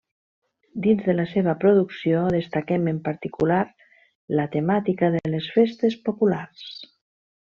Dins de la seva producció, destaquem en particular la temàtica de les festes populars.